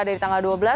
dari tanggal dua belas